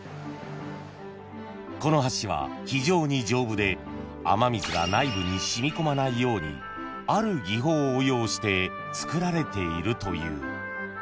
［この橋は非常に丈夫で雨水が内部に染み込まないようにある技法を応用して造られているという］